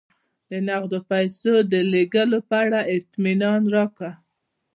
د نغدو پیسو د لېږلو په اړه اطمینان راکړه.